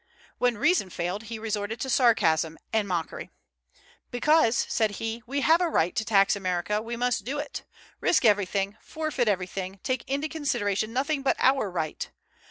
When reason failed, he resorted to sarcasm and mockery. "Because," said he, "we have a right to tax America we must do it; risk everything, forfeit everything, take into consideration nothing but our right.